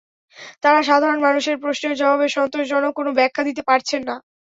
তাঁরা সাধারণ মানুষের প্রশ্নের জবাবে সন্তোষজনক কোনো ব্যাখ্যা দিতে পারছেন না।